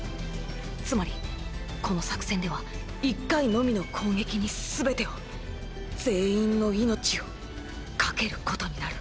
つまりこの作戦では１回のみの攻撃に全てを全員の命を懸けることになる。